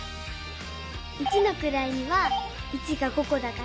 一のくらいには１が５こだから５。